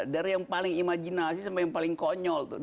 dari yang paling imajinasi sampai yang paling kondisionalnya